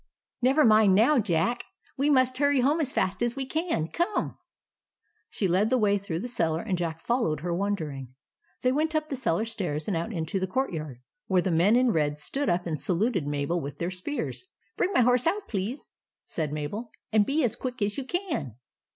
" Never mind now, Jack," she said ;" we must hurry home as fast as we can. Come !" She led the way through the cellar, and Jack followed her, wondering. They went up the cellar stairs and out into the court yard, where the men in red stood up and saluted Mabel with their spears. 16 22o THE ADVENTURES OF MABEL " Bring my horse out, please," said Mabel, " and be as quick as you can."